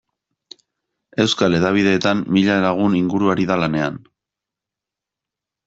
Euskal hedabideetan mila lagun inguru ari da lanean.